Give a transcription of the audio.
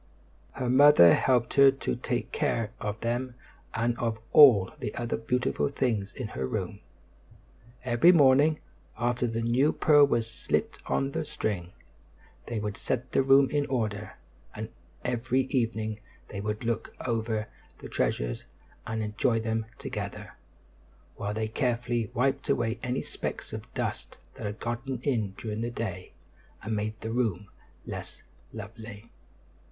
Her mother helped her to take care of them and of all the other beautiful things in her room. Every morning, after the new pearl was slipped on the string, they would set the room in order; and every evening they would look over the treasures and enjoy them together, while they carefully wiped away any specks of dust that had gotten in during the day and made the room less lovely.